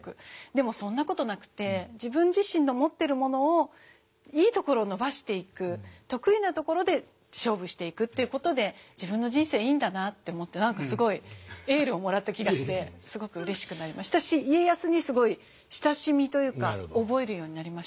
でもそんなことなくて自分自身の持ってるものをいいところを伸ばしていく。ということで自分の人生いいんだなと思って何かすごいエールをもらった気がしてすごくうれしくなりましたし家康にすごい親しみというか覚えるようになりました。